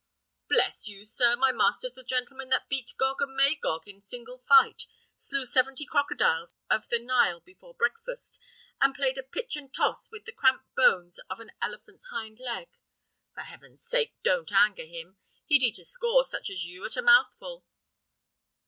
"Bless you, sir! my master's the gentleman that beat Gog and Magog in single fight, slew seventy crocodiles of the Nile before breakfast, and played at pitch and toss with the cramp bones of an elephant's hind leg. For heaven's sake, don't anger him: he'd eat a score such as you at a mouthful!"